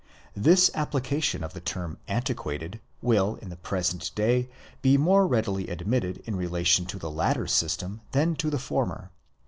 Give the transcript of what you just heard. This application of the term antiquated will in the present day be more readily admitted in relation to the latter system than to the former.